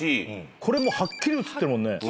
これはっきり写ってるもんね。